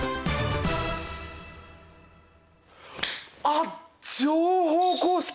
あっ乗法公式！